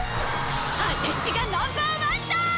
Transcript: あたしがナンバーワンだ！